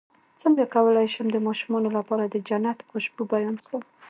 څنګه کولی شم د ماشومانو لپاره د جنت خوشبو بیان کړم